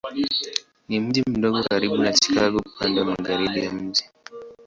Ni mji mdogo karibu na Chicago upande wa magharibi ya mji.